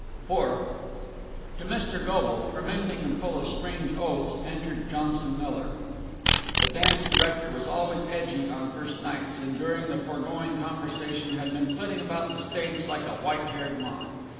IV To Mr. Goble, fermenting and full of strange oaths, entered Johnson Miller. The dance director was always edgey on first nights, and during the foregoing conversation had been flitting about the stage like a white haired moth.